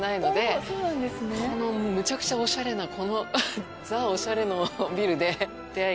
むちゃくちゃおしゃれなザおしゃれのビルで。